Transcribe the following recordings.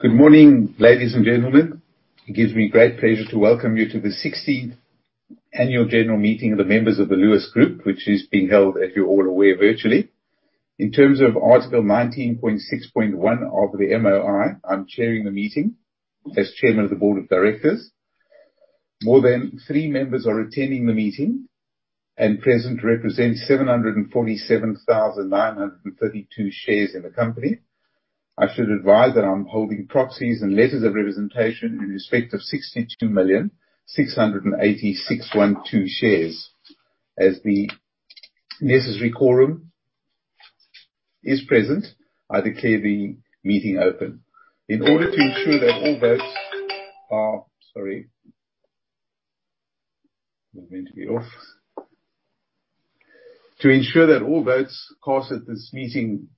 Good morning, ladies and gentlemen. It gives me great pleasure to welcome you to the 16th Annual General Meeting of the members of the Lewis Group, which is being held, as you're all aware, virtually. In terms of Article 19.6.1 of the MOI, I'm chairing the meeting as Chairman of the board of directors. More than three members are attending the meeting and present represent 747,932 shares in the company. I should advise that I'm holding proxies and letters of representation in respect of 62,686,120 shares. As the necessary quorum is present, I declare the meeting open. Sorry. That was meant to be off. To ensure that all votes cast at this meeting are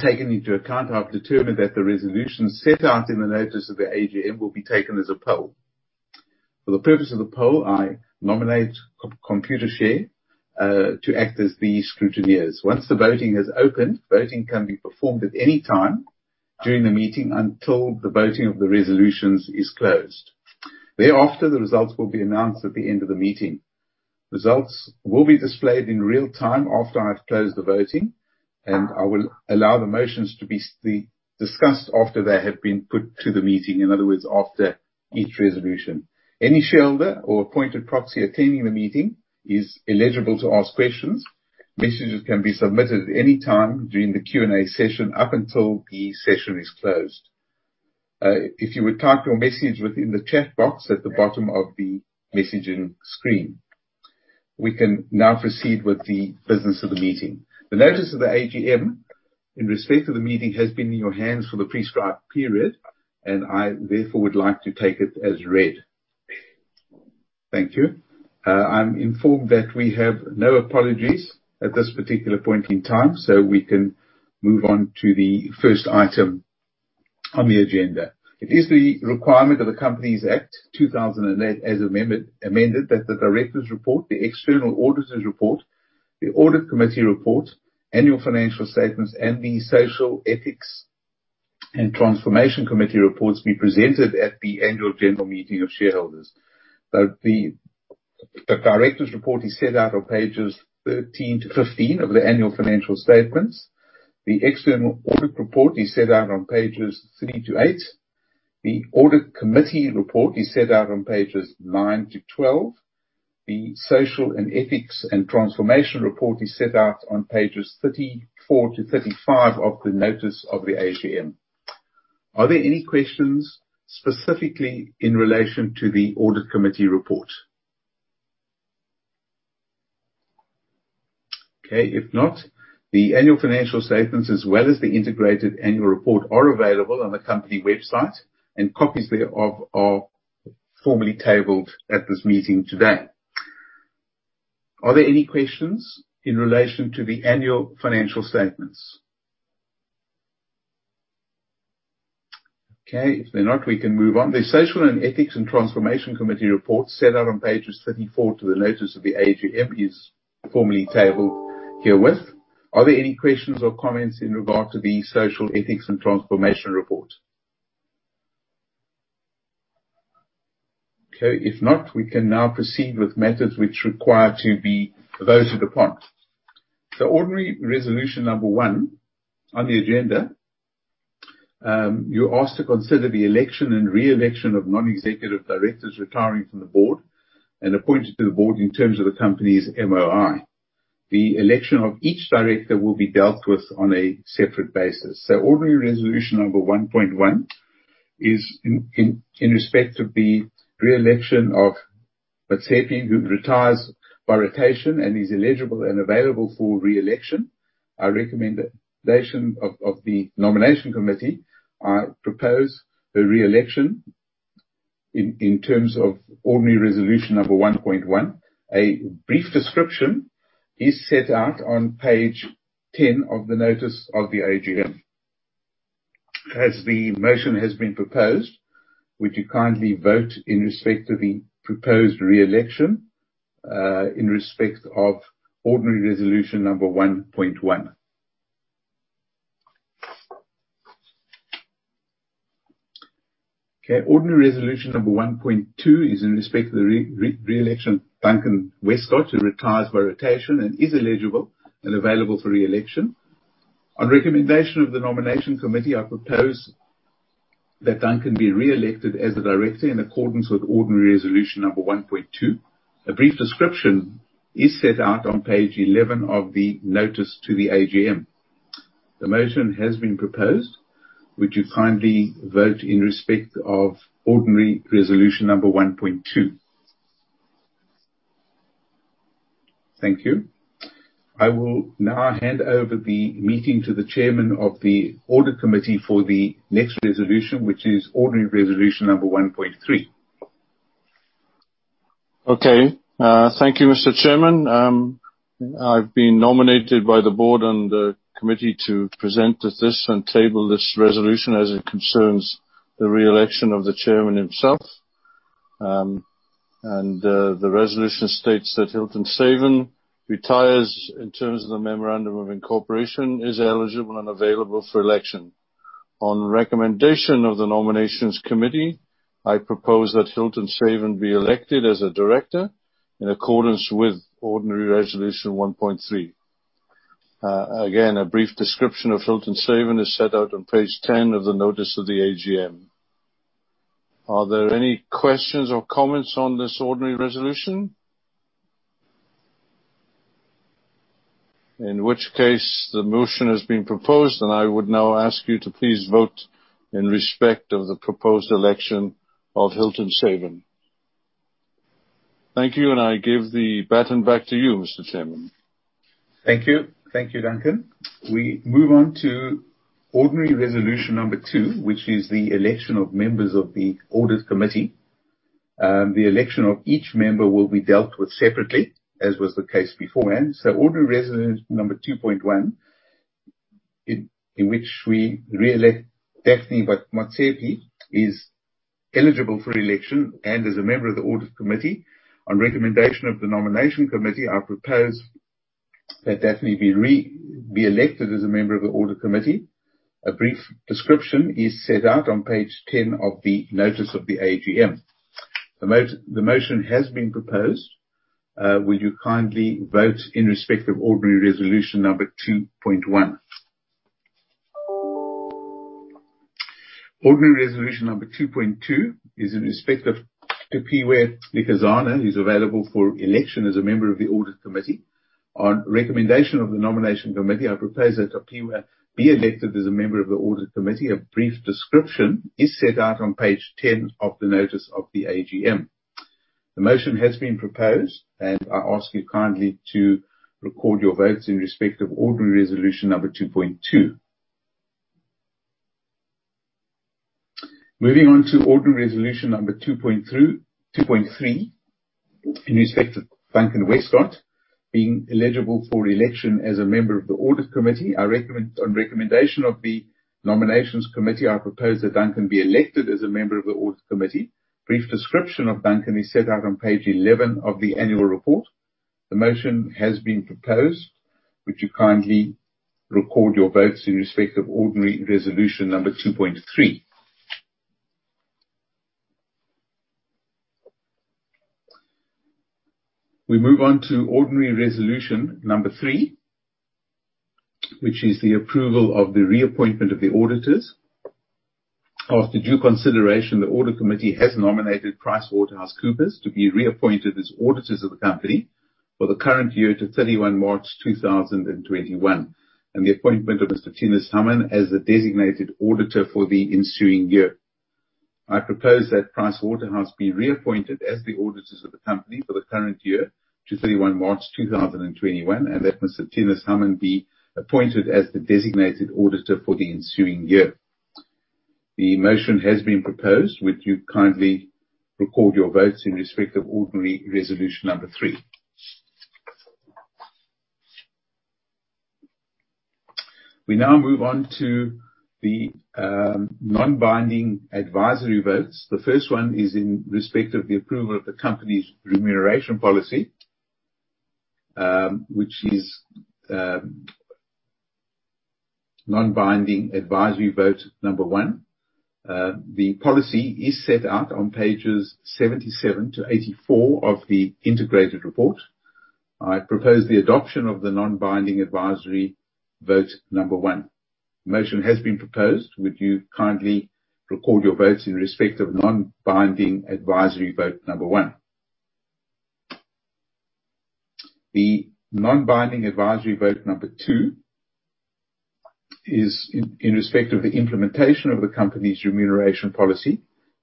taken into account, I have determined that the resolutions set out in the notice of the AGM will be taken as a poll. For the purpose of the poll, I nominate Computershare to act as the scrutineers. Once the voting has opened, voting can be performed at any time during the meeting until the voting of the resolutions is closed. Thereafter, the results will be announced at the end of the meeting. Results will be displayed in real-time after I've closed the voting, and I will allow the motions to be discussed after they have been put to the meeting. In other words, after each resolution. Any shareholder or appointed proxy attending the meeting is eligible to ask questions. Messages can be submitted at any time during the Q&A session, up until the session is closed. If you would type your message within the chat box at the bottom of the messaging screen. We can now proceed with the business of the meeting. The notice of the AGM in respect of the meeting has been in your hands for the prescribed period. I therefore would like to take it as read. Thank you. I'm informed that we have no apologies at this particular point in time. We can move on to the first item on the agenda. It is the requirement of the Companies Act 2008, as amended, that the directors' report, the external auditors' report, the audit committee report, annual financial statements, and the social ethics and transformation committee reports be presented at the annual general meeting of shareholders. The directors' report is set out on pages 13 to 15 of the annual financial statements. The external audit report is set out on pages three to eight. The audit committee report is set out on pages nine to 12. The social and ethics and transformation report is set out on pages 34 to 35 of the notice of the AGM. Are there any questions specifically in relation to the audit committee report? Okay. If not, the annual financial statements, as well as the integrated annual report, are available on the company website, and copies thereof are formally tabled at this meeting today. Are there any questions in relation to the annual financial statements? Okay. If there's not, we can move on. The social and ethics and transformation committee report set out on pages 34 to the notice of the AGM is formally tabled herewith. Are there any questions or comments in regard to the social ethics and transformation report? Okay. If not, we can now proceed with matters which require to be voted upon. Ordinary resolution number one on the agenda. You're asked to consider the election and re-election of non-executive directors retiring from the board and appointed to the board in terms of the company's MOI. The election of each director will be dealt with on a separate basis. Ordinary resolution number 1.1 is in respect of the re-election of Fatima who retires by rotation and is eligible and available for re-election. I recommend the election of the Nominations Committee. I propose her re-election in terms of ordinary resolution number 1.1. A brief description is set out on page 10 of the notice of the AGM. As the motion has been proposed, would you kindly vote in respect of the proposed re-election, in respect of ordinary resolution number 1.1. Okay. Ordinary resolution number 1.2 is in respect of the re-election of Duncan Westcott, who retires by rotation and is eligible and available for re-election. On recommendation of the Nominations Committee, I propose that Duncan be re-elected as a director in accordance with ordinary resolution number 1.2. A brief description is set out on page 11 of the notice to the AGM. The motion has been proposed. Would you kindly vote in respect of ordinary resolution number 1.2. Thank you. I will now hand over the meeting to the chairman of the audit committee for the next resolution, which is ordinary resolution number 1.3. Okay. Thank you, Mr. Chairman. I've been nominated by the board and the committee to present this and table this resolution as it concerns the re-election of the chairman himself. The resolution states that Hilton Saven retires in terms of the memorandum of incorporation, is eligible and available for election. On recommendation of the Nominations Committee, I propose that Hilton Saven be elected as a director in accordance with ordinary resolution 1.3. Again, a brief description of Hilton Saven is set out on page 10 of the notice of the AGM. Are there any questions or comments on this ordinary resolution? In which case, the motion has been proposed. I would now ask you to please vote in respect of the proposed election of Hilton Saven. Thank you. I give the baton back to you, Mr. Chairman. Thank you, Duncan. We move on to ordinary resolution number 2, which is the election of members of the Audit Committee. The election of each member will be dealt with separately, as was the case beforehand. Ordinary resolution number 2.1, in which we re-elect Daphne Motsepe is eligible for election and is a member of the Audit Committee. On recommendation of the Nominations Committee, I propose that Daphne be elected as a member of the Audit Committee. A brief description is set out on page 10 of the notice of the AGM. The motion has been proposed. Will you kindly vote in respect of ordinary resolution number 2.1? Ordinary resolution number 2.2 is in respect of Tapiwa Njikizana, who's available for election as a member of the Audit Committee. On recommendation of the Nominations Committee, I propose that Tapiwa be elected as a member of the Audit Committee. A brief description is set out on page 10 of the notice of the AGM. The motion has been proposed. I ask you kindly to record your votes in respect of ordinary resolution number 2.2. Moving on to ordinary resolution number 2.3 in respect of Duncan Westcott being eligible for election as a member of the audit committee. On recommendation of the Nominations Committee, I propose that Duncan be elected as a member of the audit committee. Brief description of Duncan is set out on page 11 of the annual report. The motion has been proposed. Would you kindly record your votes in respect of ordinary resolution number 2.3? We move on to ordinary resolution number three, which is the approval of the reappointment of the auditors. After due consideration, the audit committee has nominated PricewaterhouseCoopers to be reappointed as auditors of the company for the current year to 31 March 2021, and the appointment of Mr. Thinus Hamman as the designated auditor for the ensuing year. I propose that Pricewaterhouse be reappointed as the auditors of the company for the current year to 31 March 2021, and that Mr. Thinus Hamman be appointed as the designated auditor for the ensuing year. The motion has been proposed. Would you kindly record your votes in respect of ordinary resolution number 3? We now move on to the non-binding advisory votes. The first one is in respect of the approval of the company's remuneration policy, which is non-binding advisory vote number one. The policy is set out on pages 77 to 84 of the integrated report. I propose the adoption of the non-binding advisory vote number 1. The motion has been proposed. Would you kindly record your votes in respect of non-binding advisory vote number one? The non-binding advisory vote number two is in respect of the implementation of the company's remuneration policy.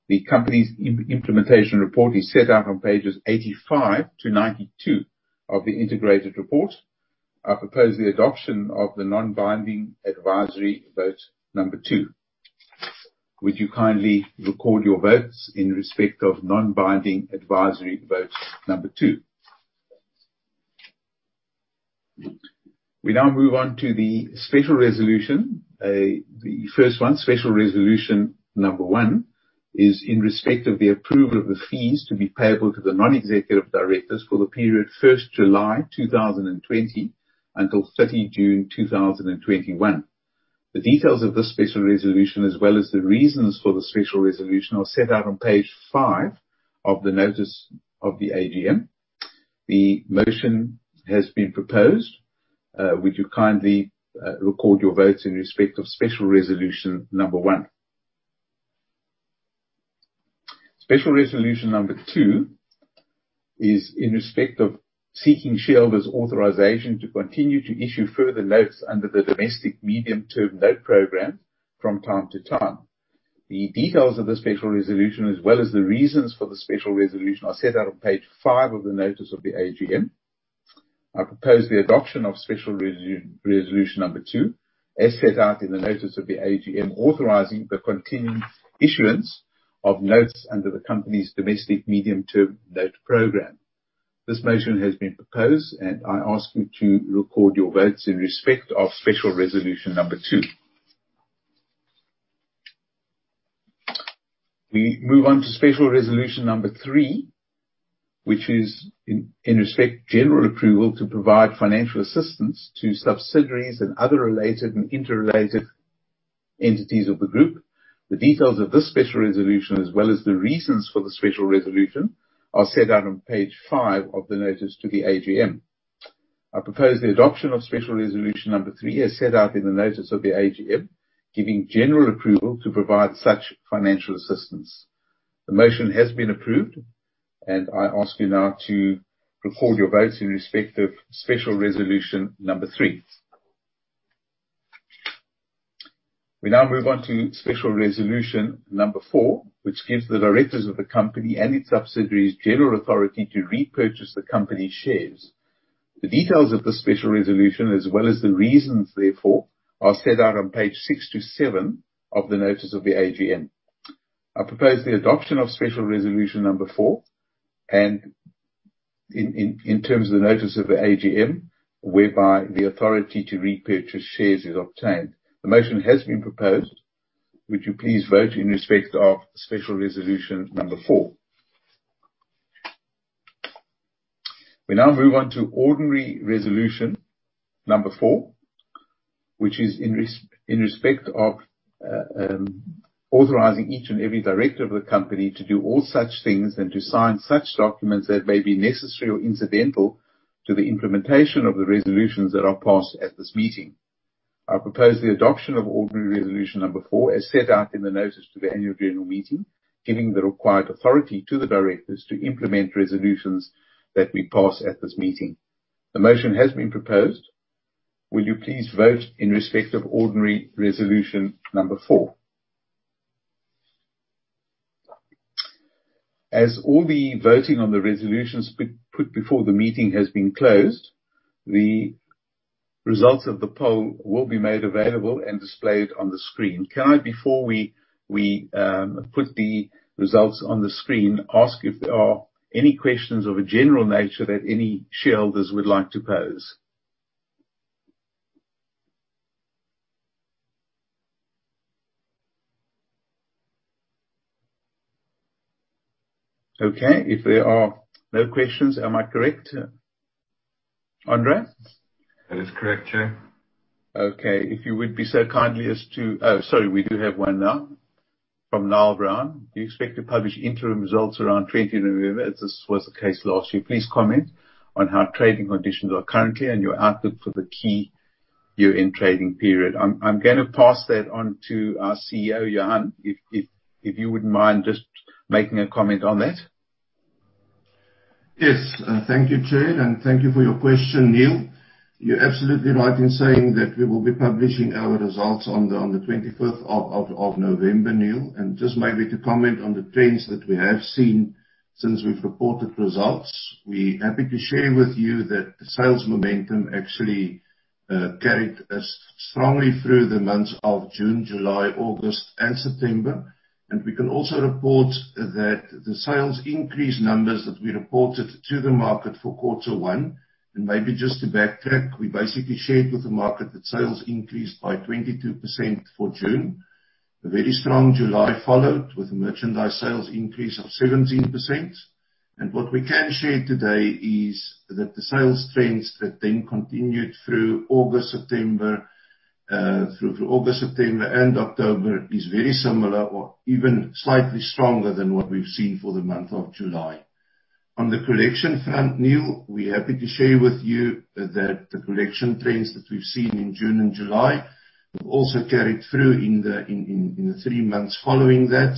The company's implementation report is set out on pages 85 to 92 of the integrated report. I propose the adoption of the non-binding advisory vote number two. Would you kindly record your votes in respect of non-binding advisory vote number two? We now move on to the special resolution. The first one, special resolution number one, is in respect of the approval of the fees to be payable to the non-executive directors for the period 1st July 2020 until 30 June 2021. The details of this special resolution, as well as the reasons for the special resolution, are set out on page five of the notice of the AGM. The motion has been proposed would you kindly record your votes in respect of special resolution number 1? Special resolution number 2 is in respect of seeking shareholders' authorization to continue to issue further notes under the domestic medium-term note programme from time to time. The details of the special resolution, as well as the reasons for the special resolution, are set out on page five of the notice of the AGM. I propose the adoption of special resolution number 2, as set out in the notice of the AGM, authorizing the continued issuance of notes under the company's domestic medium-term note programme. This motion has been proposed, I ask you to record your votes in respect of special resolution number 2. We move on to special resolution number 3, which is in respect general approval to provide financial assistance to subsidiaries and other related and interrelated entities of the group. The details of this special resolution, as well as the reasons for the special resolution, are set out on page five of the notice to the AGM. I propose the adoption of special resolution number 3 as set out in the notice of the AGM, giving general approval to provide such financial assistance. The motion has been approved, and I ask you now to record your votes in respect of special resolution number 3. We now move on to special resolution number 4, which gives the directors of the company and its subsidiaries general authority to repurchase the company shares. The details of the special resolution, as well as the reasons therefore, are set out on page six to seven of the notice of the AGM. I propose the adoption of special resolution number 4 and in terms of the notice of the AGM, whereby the authority to repurchase shares is obtained. The motion has been proposed. Would you please vote in respect of special resolution number 4. We now move on to ordinary resolution number 4, which is in respect of authorizing each and every director of the company to do all such things and to sign such documents that may be necessary or incidental to the implementation of the resolutions that are passed at this meeting. I propose the adoption of ordinary resolution number 4 as set out in the notice to the annual general meeting, giving the required authority to the directors to implement resolutions that we pass at this meeting. The motion has been proposed. Will you please vote in respect of ordinary resolution number 4. As all the voting on the resolutions put before the meeting has been closed, the results of the poll will be made available and displayed on the screen. Can I, before we put the results on the screen, ask if there are any questions of a general nature that any shareholders would like to pose? Okay. If there are no questions, am I correct, Andre? That is correct, chair. Okay. If you would be so kind as to Oh, sorry, we do have one now from Niall Brown. Do you expect to publish interim results around 20th November, as this was the case last year? Please comment on how trading conditions are currently and your outlook for the key year-end trading period. I'm gonna pass that on to our CEO, Johan. If you wouldn't mind just making a comment on that. Yes. Thank you, chair, and thank you for your question, Niall. You're absolutely right in saying that we will be publishing our results on the 25th of November, Niall. Just maybe to comment on the trends that we have seen since we've reported results. We're happy to share with you that the sales momentum actually carried us strongly through the months of June, July, August, and September. We can also report that the sales increase numbers that we reported to the market for quarter one, and maybe just to backtrack, we basically shared with the market that sales increased by 22% for June. A very strong July followed with merchandise sales increase of 17%. What we can share today is that the sales trends that then continued through August, September, and October is very similar or even slightly stronger than what we've seen for the month of July. On the collection front, Niall, we're happy to share with you that the collection trends that we've seen in June and July have also carried through in the three months following that.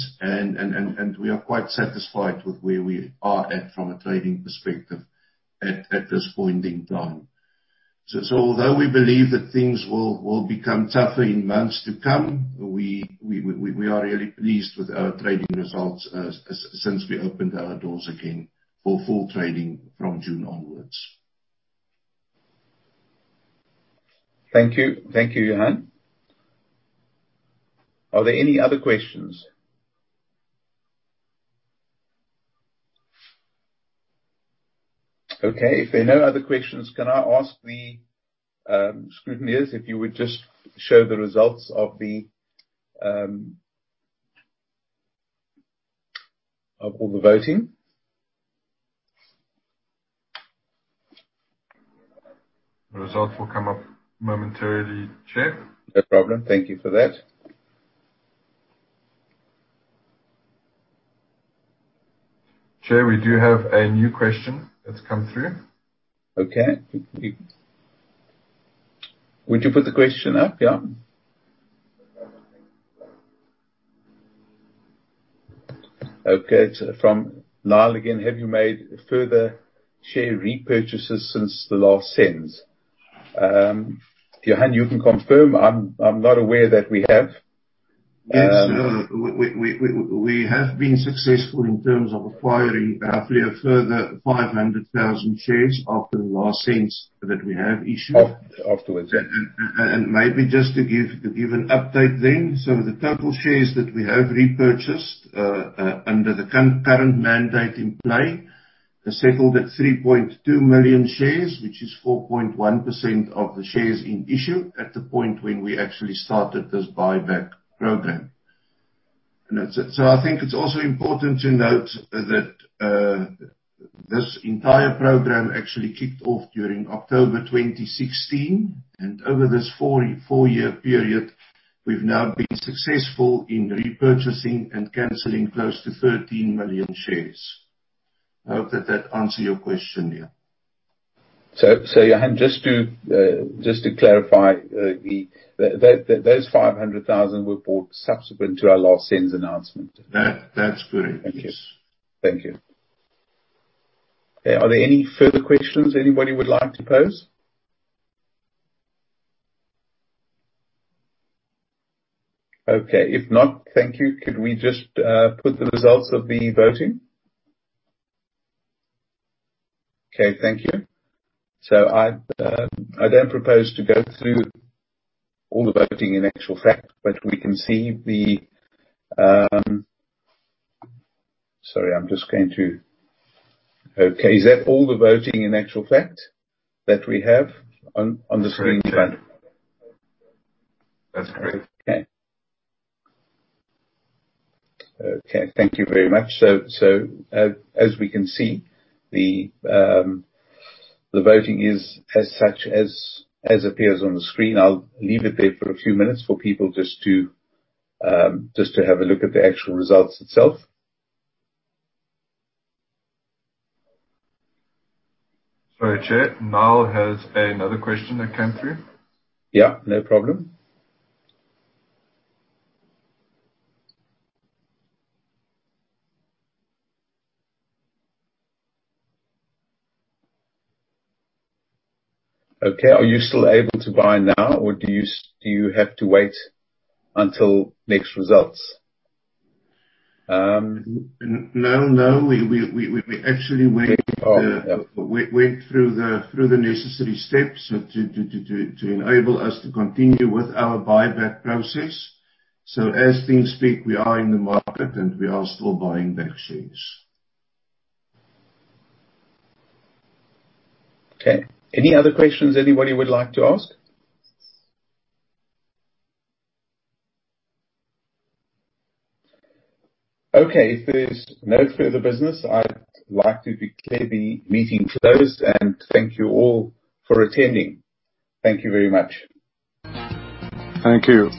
We are quite satisfied with where we are at from a trading perspective at this point in time. Although we believe that things will become tougher in months to come, we are really pleased with our trading results since we opened our doors again for full trading from June onwards. Thank you. Thank you, Johan. Are there any other questions? Okay, if there are no other questions, can I ask the scrutineers if you would just show the results of all the voting? The results will come up momentarily, chair. No problem. Thank you for that. Chair, we do have a new question that's come through. Okay. Would you put the question up, yeah? Okay. It's from Niall again. Have you made further share repurchases since the last SENS? Johan, you can confirm. I'm not aware that we have. Yes. We have been successful in terms of acquiring roughly a further 500,000 shares after the last SENS that we have issued. Afterwards. Maybe just to give an update then. The total shares that we have repurchased under the current mandate in play, settled at 3.2 million shares, which is 4.1% of the shares in issue at the point when we actually started this buyback program. I think it's also important to note that this entire program actually kicked off during October 2016, and over this four-year period, we've now been successful in repurchasing and canceling close to 13 million shares. I hope that that answer your question, Niall. Johan, just to clarify, those 500,000 were bought subsequent to our last SENS announcement. That's correct. Thank you. Okay. Are there any further questions anybody would like to pose? Okay. If not, thank you. Could we just put the results of the voting? Okay, thank you. I don't propose to go through all the voting in actual fact. Okay. Is that all the voting in actual fact that we have on the screen? That's correct. Okay. Thank you very much. As we can see, the voting is as such as appears on the screen. I'll leave it there for a few minutes for people just to have a look at the actual results itself. Sorry, Chair. Niall has another question that came through. Yeah, no problem. Okay. Are you still able to buy now, or do you have to wait until next results? No. We actually went- Oh, yeah. through the necessary steps to enable us to continue with our buyback process. As things speak, we are in the market, and we are still buying back shares. Okay. Any other questions anybody would like to ask? Okay, if there's no further business, I'd like to declare the meeting closed, and thank you all for attending. Thank you very much. Thank you.